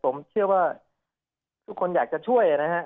ผมเชื่อว่าทุกคนอยากจะช่วยนะฮะ